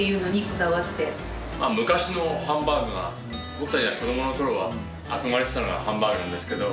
僕たちが子供のころ憧れてたハンバーグなんですけど。